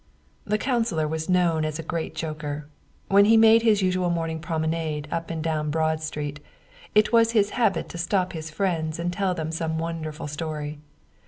The councilor was known as a great joker. When he made his usual morning promenade up and down Broad Street, it was his habit to stop his friends and tell them some wonderful story.